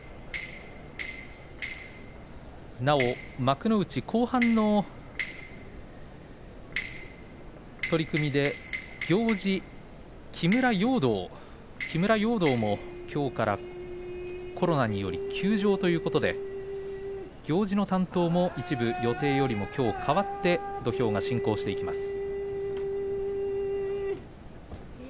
なお、幕内後半の取組で行司の木村容堂もきょうからコロナにより休場ということで行司の担当も一部予定よりもきょう、かわって土俵が進行していきます。